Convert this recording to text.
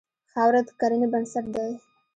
خاوره د کرنې بنسټ دی.